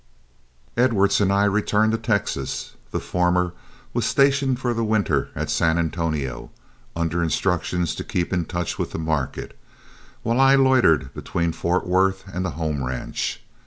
Edwards and I returned to Texas. The former was stationed for the winter at San Antonio, under instructions to keep in touch with the market, while I loitered between Fort Worth and the home ranch.